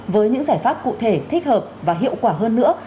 với những giải pháp cụ thể thích hợp và hiệu quả hơn nữa